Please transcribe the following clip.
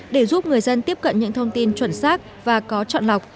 để giúp người dân tiếp cận những thông tin chuẩn xác và có chọn lọc